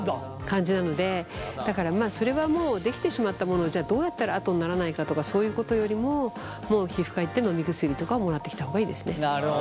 感じなのでだからそれはもうできてしまったものをじゃあどうやったら跡にならないかとかそういうことよりももう皮膚科行って飲み薬とかをもらってきた方がいいですね。